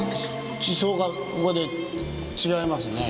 地層がここで違いますね。